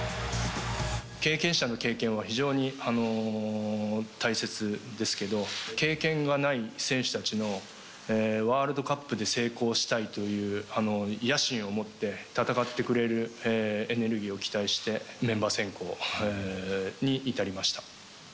経験者の経験は非常に大切ですけど、経験がない選手たちのワールドカップで成功したいという、野心を持って戦ってくれるエネルギーを期待して、メンバー選考に至りました。